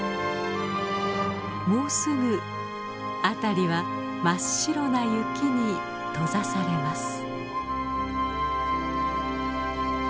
もうすぐ辺りは真っ白な雪に閉ざされます。